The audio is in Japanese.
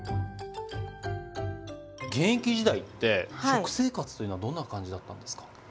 現役時代って食生活というのはどんな感じだったんですか？